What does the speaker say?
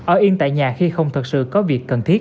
ở yên tại nhà khi không thật sự có việc cần thiết